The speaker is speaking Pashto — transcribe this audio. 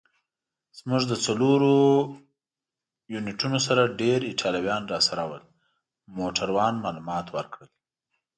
زموږ له څلورو یونیټونو سره ډېر ایټالویان راسره ول. موټروان معلومات ورکړل.